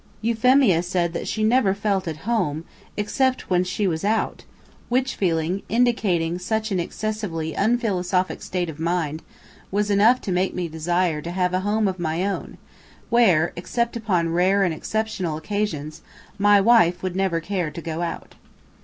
Euphemia said that she never felt at home except when she was out, which feeling, indicating such an excessively unphilosophic state of mind, was enough to make me desire to have a home of my own, where, except upon rare and exceptional occasions, my wife would never care to go out.